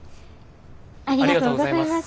ありがとうございます。